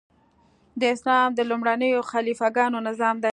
د اسلام د لومړنیو خلیفه ګانو نظام دی.